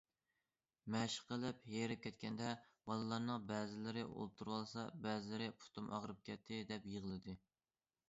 مەشىق قىلىپ ھېرىپ كەتكەندە، بالىلارنىڭ بەزىلىرى ئولتۇرۇۋالسا، بەزىلىرى‹‹ پۇتۇم ئاغرىپ كەتتى››، دەپ يىغلىدى.